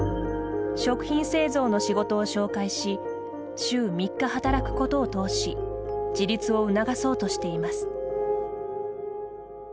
食品製造の仕事を紹介し週３日働くことを通し自立を促そうとしています。